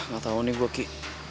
gak tau nih bu ki